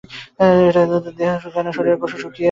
কিন্তু এটা নিলে শুধু দেহ শুকায় না, শরীরের কোষও শুকিয়ে যায়।